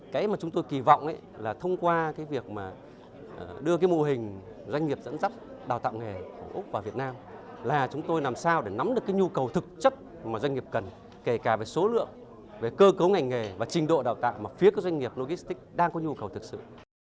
cái mà chúng tôi kỳ vọng là thông qua việc đưa mô hình doanh nghiệp dẫn dắt đào tạo nghề của úc vào việt nam là chúng tôi làm sao để nắm được nhu cầu thực chất doanh nghiệp cần kể cả về số lượng cơ cấu ngành nghề và trình độ đào tạo mà phía doanh nghiệp logistics đang có nhu cầu thực sự